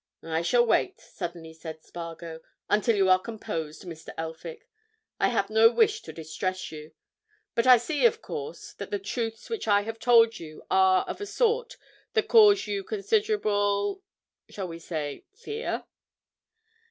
"I shall wait," suddenly said Spargo, "until you are composed, Mr. Elphick. I have no wish to distress you. But I see, of course, that the truths which I have told you are of a sort that cause you considerable—shall we say fear?"